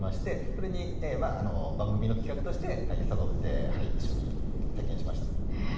それに番組の企画として誘って、一緒に体験しました。